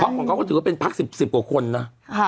เพราะของเขาก็ถือว่าเป็นพัก๑๐กว่าคนนะ